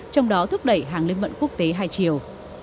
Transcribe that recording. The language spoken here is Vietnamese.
trong đó thúc đẩy hàng lên mận quốc tế hai chiều